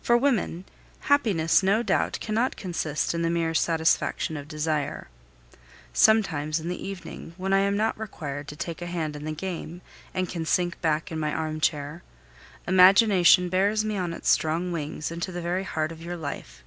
For women, happiness no doubt cannot consist in the mere satisfaction of desire. Sometimes, in the evening, when I am not required to take a hand in the game, and can sink back in my armchair, imagination bears me on its strong wings into the very heart of your life.